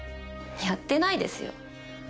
やってないですよ